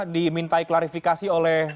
dimintai klarifikasi oleh